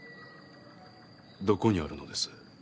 どこにあるのです？